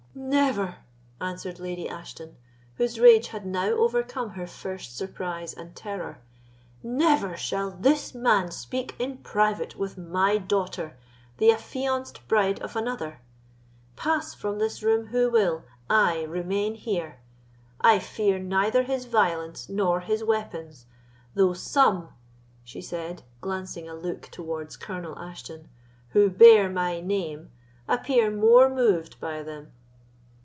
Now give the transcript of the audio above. "Never!" answered Lady Ashton, whose rage had now overcome her first surprise and terror—"never shall this man speak in private with my daughter, the affianced bride of another! pass from this room who will, I remain here. I fear neither his violence nor his weapons, though some," she said, glancing a look towards Colonel Ashton, "who bear my name appear more moved by them."